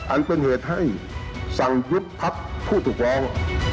อันเป็นเหตุให้สั่งยุบพักผู้ถูกร้อง